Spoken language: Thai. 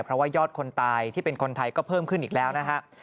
เพราะว่ายอดคนตายที่เป็นคนไทยก็เพิ่มขึ้นอีกแล้วนะฮะ